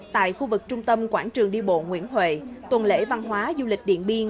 tại khu vực trung tâm quảng trường đi bộ nguyễn huệ tuần lễ văn hóa du lịch điện biên